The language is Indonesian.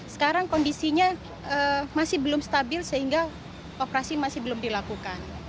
sekarang kondisinya masih belum stabil sehingga operasi masih belum dilakukan